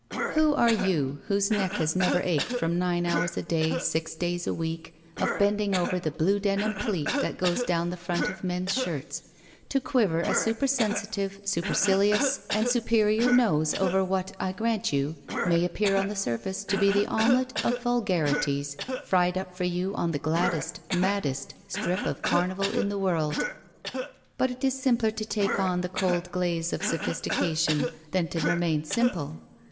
• Who are you, whose neck has never ached from nine hours a day, six days a week, of bending over the blue denim pleat that goes down the front of men's shirts, to quiver a supersensitive, supercilious, "5 THE VERTICAL CITY and superior nose over what, I grant you, may appear on the surface to be the omelet of vulgarities fried up for you on the gladdest, maddest strip of carnival in the world? But it is simpler to take on the cold glaze of sophis tication than to remain simple.